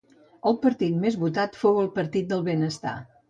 El partit més votat fou el Partit del Benestar.